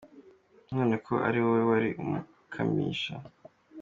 None ko ari wowe wari umukamisha